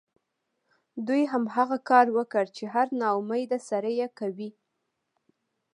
دوی هماغه کار وکړ چې هر ناامیده سړی یې کوي